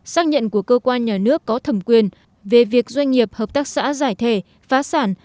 xác nhận của cơ quan nhà nước có thẩm quyền về việc doanh nghiệp hợp tác xã giải thể phá sản